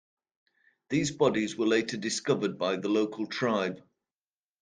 These bodies were later discovered by the local tribe.